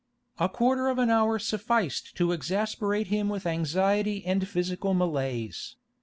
A quarter of an hour sufficed to exasperate him with anxiety and physical malaise.